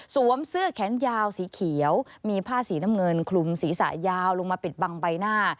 เสื้อแขนยาวสีเขียวมีผ้าสีน้ำเงินคลุมศีรษะยาวลงมาปิดบังใบหน้า